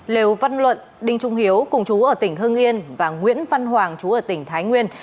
lều văn luận đinh trung hiếu cùng chú ở tỉnh hưng yên và nguyễn văn hoàng chú ở tỉnh thái nguyên